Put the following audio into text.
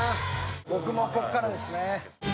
僕もここからですね。